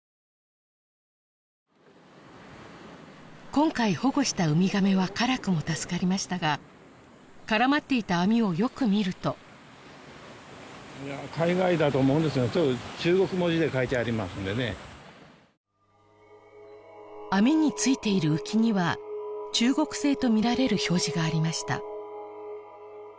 今回保護したウミガメは辛くも助かりましたが絡まっていた網をよく見ると網に付いている浮きには中国製と見られる表示がありました